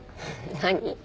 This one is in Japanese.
何？